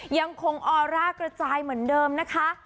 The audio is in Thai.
ยังคงออร่ากระจายเหมือนเดิมนะคะ